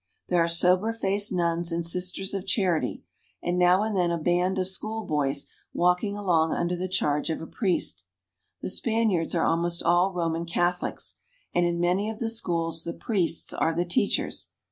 There are sober faced nuns and sisters of charity, and now and then a band of school boys walking along under the charge of a priest. The Spaniards are almost all Roman Catholics, and in many of the schools the priests are the teachers.